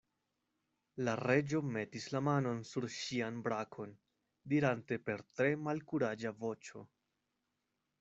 La Reĝo metis la manon sur ŝian brakon, dirante per tre malkuraĝa voĉo.